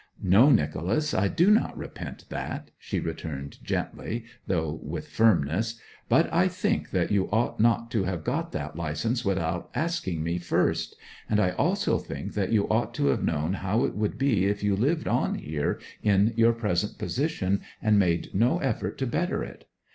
'No, Nicholas, I do not repent that,' she returned gently, though with firmness. 'But I think that you ought not to have got that licence without asking me first; and I also think that you ought to have known how it would be if you lived on here in your present position, and made no effort to better it.